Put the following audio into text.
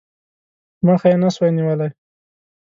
مخه یې نه سوای نیولای.